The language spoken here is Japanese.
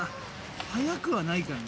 速くはないからね。